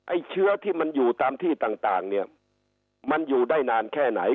เชื้อที่มันอยู่ตามที่ต่างเนี่ยมันอยู่ได้นานแค่ไหน